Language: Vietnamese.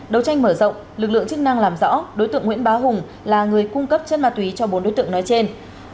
đầu tranh mở rộng lực lượng chức năng làm rõ đối tượng nguyễn bá hùng là người cung cấp chất ma túy cho bốn đối tượng nói trên